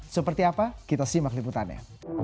seperti apa kita simak liputannya